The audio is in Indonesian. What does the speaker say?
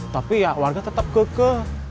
tapi ya warga tetap ge ge